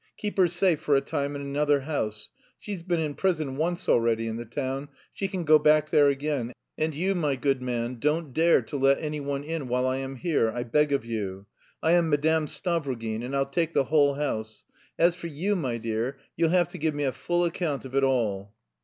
Keep her safe for a time in another house. She's been in prison once already in the town; she can go back there again. And you, my good man, don't dare to let anyone in while I am here, I beg of you. I am Madame Stavrogin, and I'll take the whole house. As for you, my dear, you'll have to give me a full account of it all."